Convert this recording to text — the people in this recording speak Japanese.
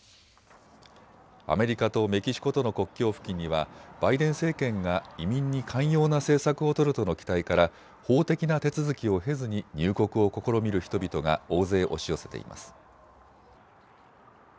アメリカとメキシコとの国境付近にはバイデン政権が移民に寛容な政策を取るとの期待から法的な手続きを経ずに入国を試みる人々が大勢押し寄せています。